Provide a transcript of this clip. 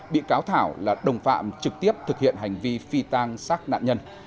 bị cáo thảo là đồng phạm trực tiếp thực hiện hành vi phi tang xác nạn nhân